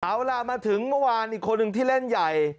เอาล่ะมาถึงเมื่อวานอีกคนหนึ่งที่เล่นใหญ่